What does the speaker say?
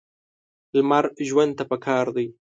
لمر ژوند ته پکار دی.